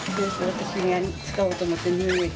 私が使おうと思っていた乳液。